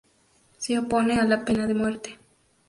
Se opone a la pena de muerte.